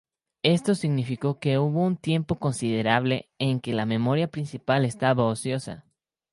Esto significó que hubo un tiempo considerable en que la memoria principal estaba ociosa.